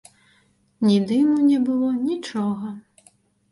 Ні дыму не было, нічога.